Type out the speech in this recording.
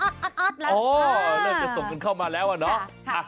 น่าจะส่งกันเข้ามาแล้วอะเนาะ